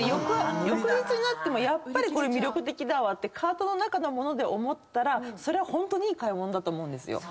翌日になってもやっぱりこれ魅力的だわってカートの中の物で思ったらそれはホントにいい買い物だと思う。